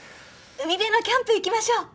海辺のキャンプ行きましょう！